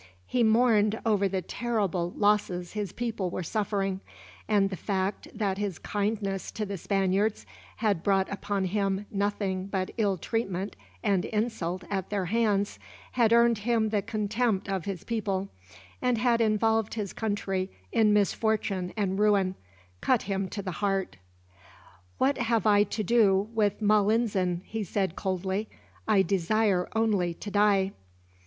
He mourned over the terrible losses his people were suffering; and the fact that his kindness to the Spaniards had brought upon him nothing but ill treatment and insult at their hands, had earned him the contempt of his people, and had involved his country in misfortune and ruin, cut him to the heart. "What have I to do with Malinzin?" he said coldly. "I desire only to die."